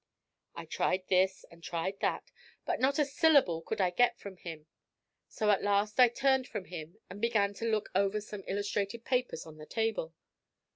I tried this and tried that, but not a syllable could I get from him; so at last I turned from him and began to look over some illustrated papers on the table.